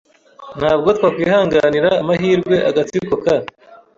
Ntabwo twakwihanganira amahirwe agatsiko ka .